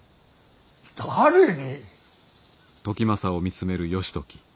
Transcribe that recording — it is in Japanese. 誰に。